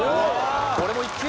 これも１球